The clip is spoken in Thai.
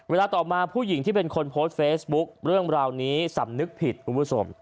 เวลาต่อมาผู้หญิงที่เป็นคนโพสต์เฟซบุ๊คเรื่องราวนี้สำนึกผิดคุณผู้ชม